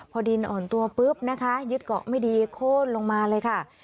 พอดินอ่อนตัวปุ๊บนะคะยึดเกาะไม่ดีโค้นลงมาเลยค่ะ